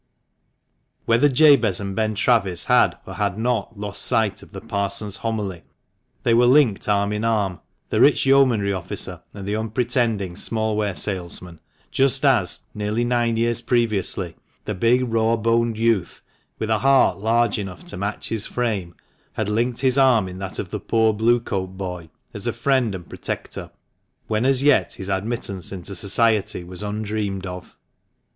Whether Jabez and Ben Travis had, or had not, lost sight of the Parson's homily, they were linked arm in arm, the rich yeomanry officer and the unpretending smallware salesman, just as, nearly nine years previously, the big, raw boned youth, with a heart large enough to match his frame, had linked his arm in that of the poor Blue coat boy, as a friend and protector, when as yet his admittance into society was undreamed of.